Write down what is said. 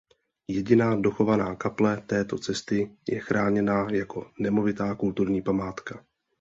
Jediná dochovaná kaple této cesty je chráněna jako nemovitá kulturní památka.